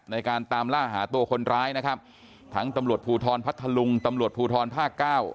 ในการตามล่าหาตัวคนร้ายนะครับทั้งตำรวจภูทรพัทธลุงตำรวจภูทรภาคเก้า